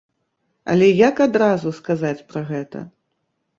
Але як адразу сказаць пра гэта?